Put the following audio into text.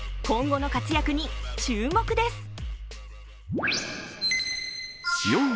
今後の活躍に注目です。